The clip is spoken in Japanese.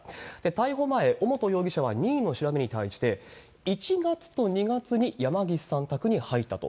逮捕前、尾本容疑者は任意の調べに対して、１月と２月に山岸さん宅に入ったと。